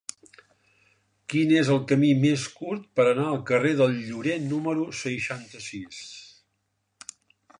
Quin és el camí més curt per anar al carrer del Llorer número seixanta-sis?